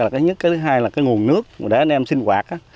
cái thứ hai là cái nguồn nước để anh em sinh hoạt